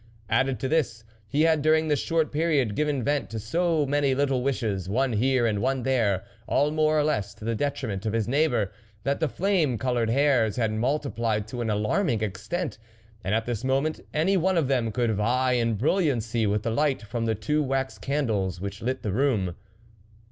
Added to this, he had during this short period given vent to so many little wishes, one here, and one there, all more or less to the detriment of his neighbour, that the flame coloured hairs had multi plied to an alarming extent, and at this moment, any one of them could vie in brilliancy with the light from the two wax candles which lit the room.